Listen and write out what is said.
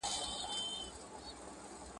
اوبه په کمزورې ورخ ماتېږي.